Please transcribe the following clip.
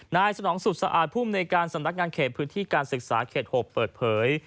สนองสุดสะอาดภูมิในการสำนักงานเขตพื้นที่การศึกษาเขต๖เปิดเผย